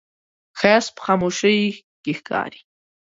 ښایست په خاموشۍ کې ښکاري